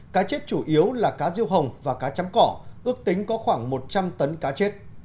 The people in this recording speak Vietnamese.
cá chết chủ yếu là cá riêu hồng và cá chấm cỏ ước tính có khoảng một trăm linh tấn cá chết